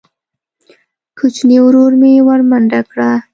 کوچیني ورور مې ورمنډه کړه.